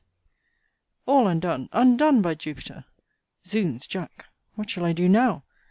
All undone, undone, by Jupiter! Zounds, Jack, what shall I do now!